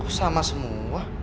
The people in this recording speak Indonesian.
kok sama semua